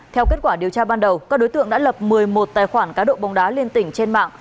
theo kết quả điều tra ban đầu các đối tượng đã lập một mươi một tài khoản cá độ bóng đá liên tỉnh trên mạng